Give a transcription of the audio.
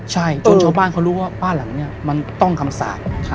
ใช่จนชาวบ้านเขารู้ว่าบ้านหลังนี้มันต้องคำสาป